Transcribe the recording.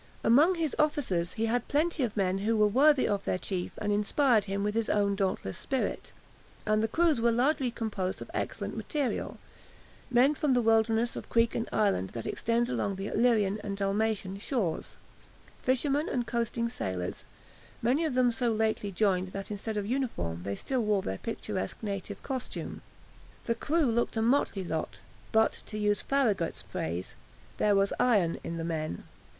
Among his officers he had plenty of men who were worthy of their chief and inspired with his own dauntless spirit, and the crews were largely composed of excellent material, men from the wilderness of creek and island that extends along the Illyrian and Dalmatian shores, fishermen and coasting sailors, many of them so lately joined that instead of uniform they still wore their picturesque native costume. The crew looked a motley lot, but, to use Farragut's phrase, "there was iron in the men."